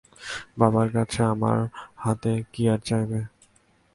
বাবার কাছে আমার হাত কী করে চাইবে?